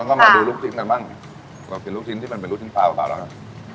แล้วก็มาดูลูกชิ้นไปบ้างเรากินลูกชิ้นที่มันเป็นลูกชิ้นฟาวฟาวแล้วกัน